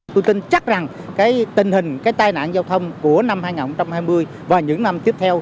tôi tin chắc rằng cái tình hình cái tai nạn giao thông của năm hai nghìn hai mươi và những năm tiếp theo